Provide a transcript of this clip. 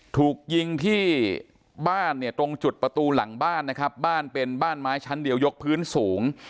ถูกยิงที่บ้านเนี่ยตรงจุดประตูหลังบ้านนะครับบ้านเป็นบ้านไม้ชั้นเดียวยกพื้นสูง